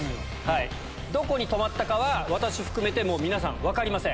どこに止まったかは、私含めてもう、皆さん、分かりません。